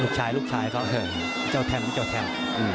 ลูกชายลูกชายเจ้าแถมไม่เจ้าแถม